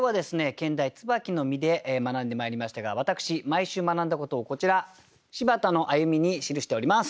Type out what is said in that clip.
兼題「椿の実」で学んでまいりましたが私毎週学んだことをこちら「柴田の歩み」に記しております。